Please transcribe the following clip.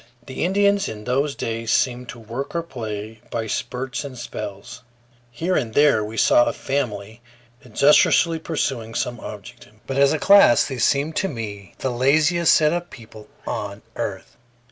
The Indians in those days seemed to work or play by spurts and spells. Here and there we saw a family industriously pursuing some object; but as a class they seemed to me the laziest set of people on earth.